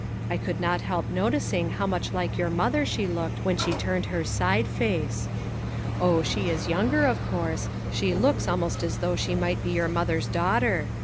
I could not help noticing how much like your mother she looked when she turned her side face. Oh ! she is younger, of course ; she looks almost as though she might be your mother's daughter.